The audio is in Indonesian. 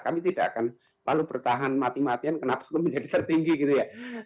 kami tidak akan lalu bertahan mati matian kenapa itu menjadi tertinggi gitu ya